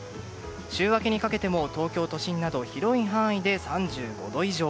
週明けにかけても、東京都心など広い範囲で３５度以上。